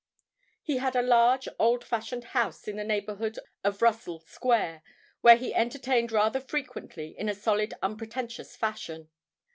He had a large old fashioned house in the neighbourhood of Russell Square, where he entertained rather frequently in a solid unpretentious fashion.